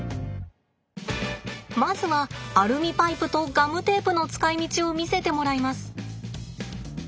まずはアルミパイプとガムテープの使いみちを見せてもらいます。